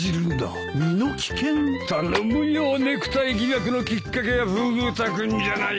頼むよネクタイ疑惑のきっかけはフグ田君じゃないか。